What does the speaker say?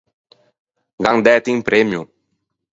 Gh’an dæto un premio.